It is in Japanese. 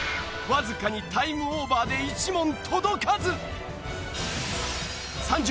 わずかにタイムオーバーで１問届かず！